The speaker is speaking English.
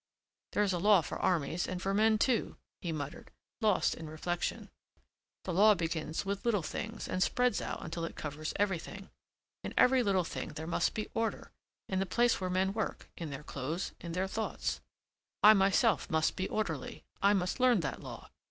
"There is a law for armies and for men too," he muttered, lost in reflection. "The law begins with little things and spreads out until it covers everything. In every little thing there must be order, in the place where men work, in their clothes, in their thoughts. I myself must be orderly. I must learn that law.